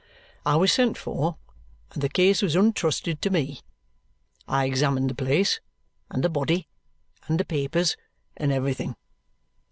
I was sent for, and the case was entrusted to me. I examined the place, and the body, and the papers, and everything.